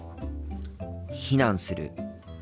避難する。